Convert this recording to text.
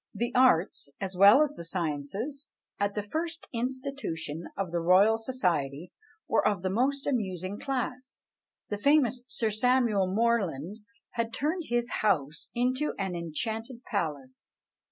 The arts, as well as the sciences, at the first institution of the Royal Society, were of the most amusing class. The famous Sir Samuel Moreland had turned his house into an enchanted palace.